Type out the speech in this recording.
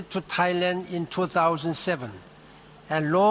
คุณพระเจ้า